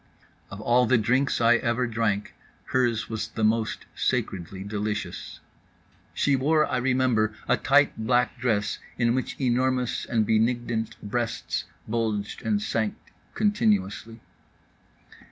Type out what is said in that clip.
Of all the drinks I ever drank, hers was the most sacredly delicious. She wore, I remember, a tight black dress in which enormous and benignant breasts bulged and sank continuously.